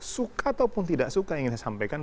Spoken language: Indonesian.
suka ataupun tidak suka yang ingin saya sampaikan